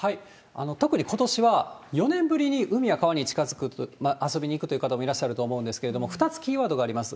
特にことしは、４年ぶりに海や川に近づく、遊びに行くという方もいらっしゃると思うんですけれども、２つキーワードがあります。